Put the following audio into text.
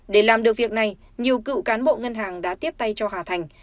để làm được việc này nhiều cựu cán bộ ngân hàng đã tiếp tay cho hà thành